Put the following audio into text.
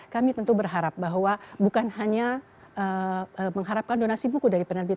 kami tentu berharap bahwa bukan hanya mengharapkan donasi buku dari penerbit